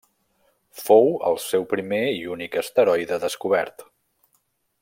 Fou el seu primer i únic asteroide descobert.